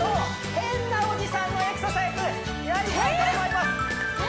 変なおじさんのエクササイズやりたいと思います何？